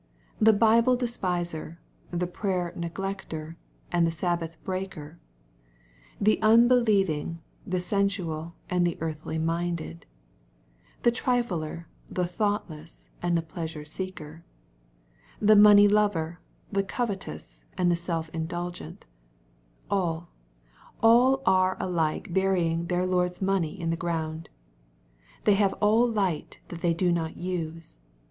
The Bible despiser, the prayer neglecter, and the Sabbath breaker, — the unbe lieving, the sensual, and the earthly minded, — the trifler, the thoughtless, and the pleasure seeker, — ^the money lover, the covetous, and the self indulgent, — all, all are alike burying their Lord's money in the ground. They have all light that they do not use.